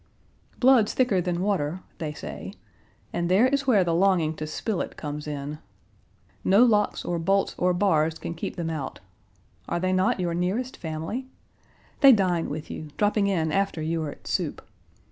'Blood's thicker than water,' they say, and there is where the longing to spill it comes in. No locks or bolts or bars can keep them out. Are they not your nearest family? They dine with you, dropping in after you are at soup.